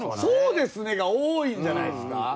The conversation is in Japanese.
「そうですね」が多いんじゃないですか？